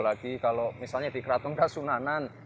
jadi kalau misalnya di kratonkasunanan